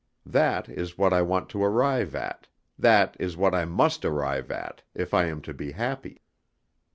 That is what I want to arrive at, that is what I must arrive at, if I am to be happy.